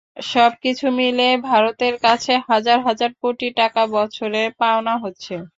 সবকিছু মিলে ভারতের কাছে হাজার হাজার কোটি টাকা বছরে পাওনা হচ্ছে।